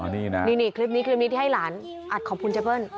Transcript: นี่นะนี่คลิปนี้คลิปนี้ที่ให้หลานอัดขอบคุณเจ๊เบิ้ล